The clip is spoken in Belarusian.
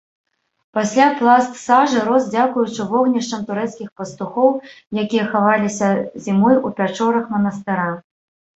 Пасля пласт сажы рос дзякуючы вогнішчам турэцкіх пастухоў, якія хаваліся зімой у пячорах манастыра.